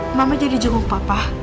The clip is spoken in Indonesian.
mama jadi jenguk papa